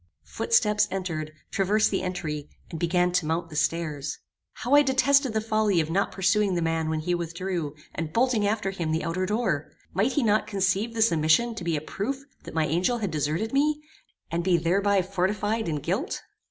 Footsteps entered, traversed the entry, and began to mount the stairs. How I detested the folly of not pursuing the man when he withdrew, and bolting after him the outer door! Might he not conceive this omission to be a proof that my angel had deserted me, and be thereby fortified in guilt?